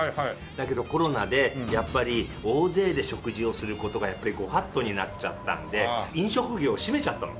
だけどコロナでやっぱり大勢で食事をする事がご法度になっちゃったんで飲食業を閉めちゃったの。